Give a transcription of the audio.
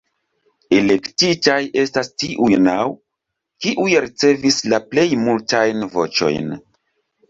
Elektitaj estas tiuj naŭ, kiuj ricevis la plej multajn voĉojn.